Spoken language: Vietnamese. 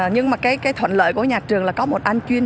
nhưng mà cái thuận lợi của nhà trường là có một anh chuyên